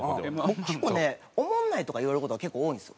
僕結構ね「おもんない」とか言われる事が結構多いんですよ。